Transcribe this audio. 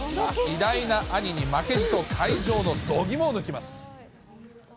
偉大な兄に負けじと会場のどぎもを抜きます。